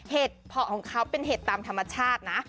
เพาะของเขาเป็นเห็ดตามธรรมชาตินะ